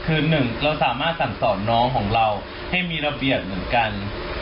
คือหนึ่งเราสามารถสั่งสอนน้องของเราให้มีระเบียบเหมือนกัน